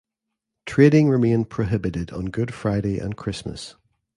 Trading remained prohibited on Good Friday and Christmas.